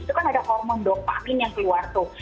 itu kan ada hormon dopakin yang keluar tuh